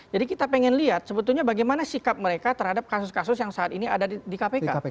jadi kita ingin lihat sebetulnya bagaimana sikap mereka terhadap kasus kasus yang saat ini ada di kpk